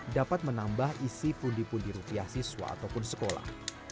dapat menambah isi pundi pundi rupiah siswa ataupun sekolah